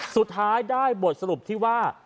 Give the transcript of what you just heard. สุดท้ายได้บทสรุปที่ว่า